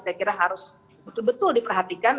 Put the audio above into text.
saya kira harus betul betul diperhatikan